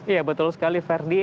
iya betul sekali verdi